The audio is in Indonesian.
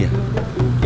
yuk yuk yuk ya dami